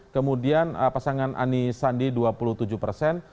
kemudian pasangan ani sandi dua puluh tujuh persen